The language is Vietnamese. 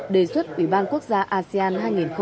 đề xuất ủy ban quốc gia asean hai nghìn hai mươi năm